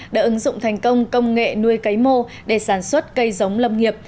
đã ứng dụng thành công công nghệ nuôi cấy mô để sản xuất cây giống lâm nghiệp